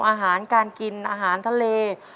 อาหารการกินอาหารทะเล